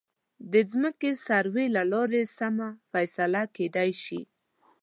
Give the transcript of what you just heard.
د ځمکې سروې له لارې سمه فیصله کېدلی شي.